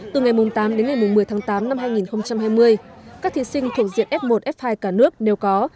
từ ngày tám đến ngày một mươi tháng tám năm hai nghìn hai mươi các thí sinh thuộc diện f một f hai cả nước nếu có